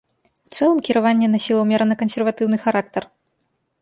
У цэлым кіраванне насіла ўмерана кансерватыўны характар.